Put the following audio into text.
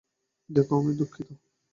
দ্যাখো, আমি দুঃখিত।